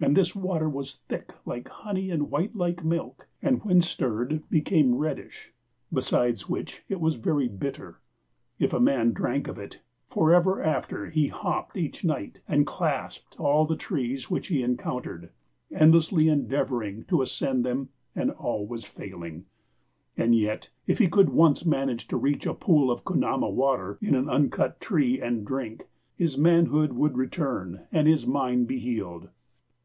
And this water was thick like honey and white like milk, and when stirred became reddish. Besides which, it was very bitter. If a man drank of it, forever after he hopped each night and clasped all the trees which he encountered, endlessly endeavoring to ascend them and always failing. And yet, if he could once manage to reach a pool of kunama water in an uncut tree and drink, his manhood would return and his mind be healed.